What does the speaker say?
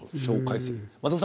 松本さん